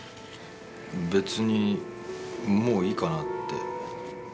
別にもういいかなって。